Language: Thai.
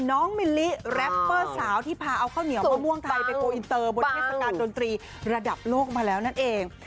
มิลลิแร็ปเปอร์สาวที่พาเอาข้าวเหนียวมะม่วงไทยไปโกลอินเตอร์บนเทศกาลดนตรีระดับโลกมาแล้วนั่นเอง